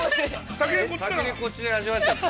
◆先にこっちで味わっちゃった。